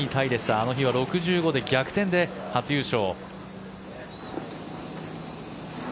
あの日は６５で逆転で初優勝。